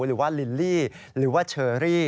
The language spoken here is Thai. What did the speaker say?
หรือว่าลิลลี่หรือว่าเชอรี่